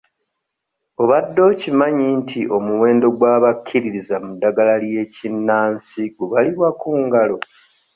Obadde okimanyi nti omuwendo gw'abakkiririza mu ddagala ly'ekinnansi gubalirwa ku ngalo?